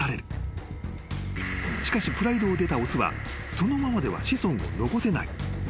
［しかしプライドを出た雄はそのままでは子孫を残せない］